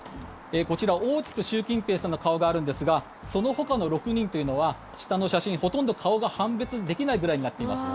こちら、大きく習近平さんの顔があるんですがそのほかの６人というのは下の写真、ほとんど顔が判別できないぐらいになっています。